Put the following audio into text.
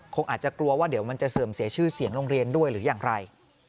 คงอาจจะกลัวว่าเดี๋ยวมันจะเสื่อมเสียชื่อเสียงโรงเรียนด้วยหรืออย่างไร